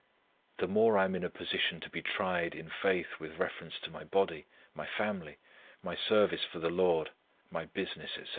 The more I am in a position to be tried in faith with reference to my body, my family, my service for the Lord, my business, etc.